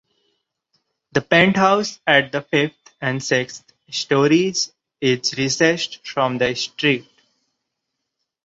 The penthouse at the fifth and sixth stories is recessed from the street.